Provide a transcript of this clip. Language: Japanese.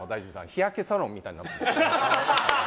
日焼けサロンみたいなものです。